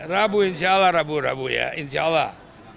rabu insya allah rabu rabu ya insya allah